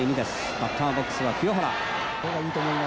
バッターボックスは清原。